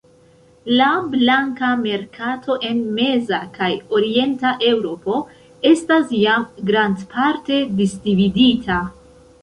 La banka merkato en meza kaj orienta Eŭropo estas jam grandparte disdividita.